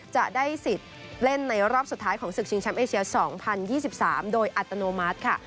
จะได้สิทธิ์เล่นในรอบสุดท้ายของศึกชิงแชมป์เอเชีย๒๐๒๓โดยอัตโนมัติค่ะ